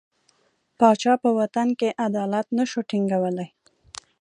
پاچا په وطن کې عدالت نه شو ټینګولای.